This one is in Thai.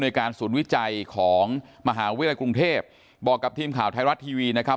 การศูนย์วิจัยของมหาวิทยาลัยกรุงเทพบอกกับทีมข่าวไทยรัฐทีวีนะครับ